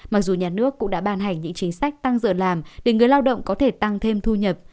mặc dù nhà nước cũng đã ban hành những chính sách tăng giờ làm để người lao động có thể tăng thêm thu nhập